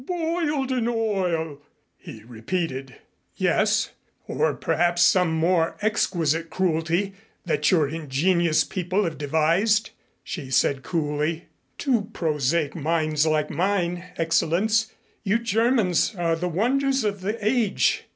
"Boiled in oil!" he repeated. "Yes or perhaps some more exquisite cruelty that your ingenious people have devised," she said coolly. "To prosaic minds like mine, Excellenz, you Germans are the wonders of the age.